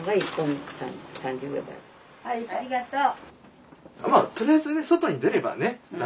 はいありがとう。